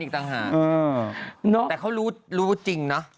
แต่เขารู้จริงนะ